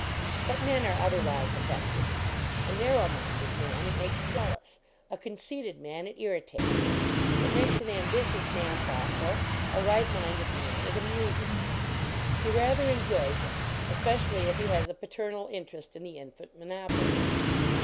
But men are otherwise affected. A narrow minded man it makes jealous; a conceited man it irritates ; it makes an ambitious man thought ful ; a right minded man it amuses. He LEARNING TO BREATHE rather enjoys it, especially if he has a pater nal interest in the infant monopoly.